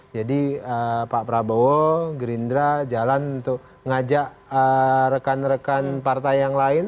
jadi pak prabowo gerindra jalan untuk ngajak rekan rekan partai yang lain